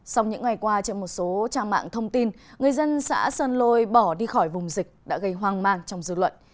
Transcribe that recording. sau những ngày qua trên một số trang mạng thông tin người dân xã sơn lôi bỏ đi khỏi vùng dịch đã gây hoang mang trong dư luận